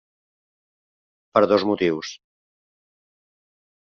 Per dos motius.